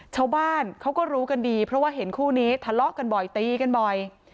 ชาวบ้านเขาก็รู้กันดีเพราะว่าเห็นคู่นี้ทะเลาะกันบ่อยตีกันบ่อย